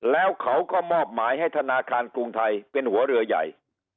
แล้วเขาก็มอบหมายให้ธนาคารกรุงไทยเป็นหัวเรือใหญ่